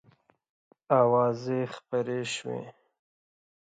آوازې خپرې شوې.